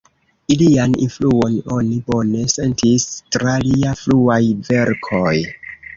Ilian influon oni bone sentis tra liaj fruaj verkoj.